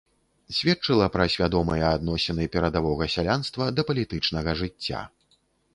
Сведчыла пра свядомыя адносіны перадавога сялянства да палітычнага жыцця.